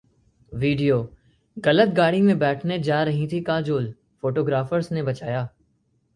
video: गलत गाड़ी में बैठने जा रही थीं काजोल, फोटोग्राफर्स ने बचाया